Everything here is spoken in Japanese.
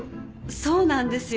そうなんですよ。